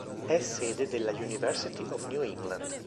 È sede della University of New England.